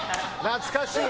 「懐かしい」。